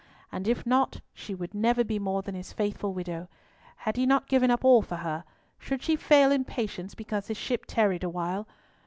And if not, she would never be more than his faithful widow. Had he not given up all for her? Should she fail in patience because his ship tarried awhile?